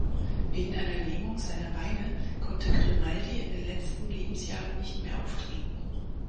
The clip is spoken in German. Wegen einer Lähmung seiner Beine konnte Grimaldi in den letzten Lebensjahren nicht mehr auftreten.